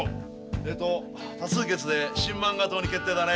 えっと多数決で新漫画党に決定だね。